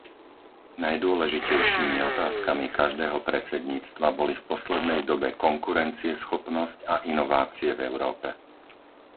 Najdôležitejšími otázkami každého predsedníctva boli v poslednej dobe konkurencieschopnosť a inovácie v Európe.